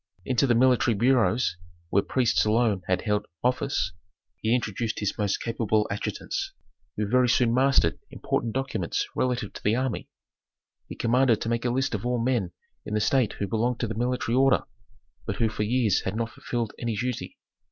Into the military bureaus, where priests alone had held office, he introduced his most capable adjutants, who very soon mastered important documents relative to the army. He commanded to make a list of all men in the state who belonged to the military order, but who for years had not fulfilled any duty.